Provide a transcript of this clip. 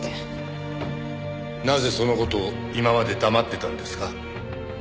なぜその事を今まで黙ってたんですか？